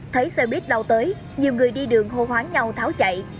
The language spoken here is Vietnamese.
thấy xe buýt đau tới nhiều người đi đường hô hoáng nhau tháo chạy